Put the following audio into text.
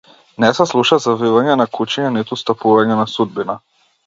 Не се слуша завивање на кучиња ниту стапување на судбина.